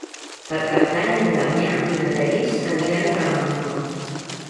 Per Cap d'Any en Damià i na Thaís aniran a Talamanca.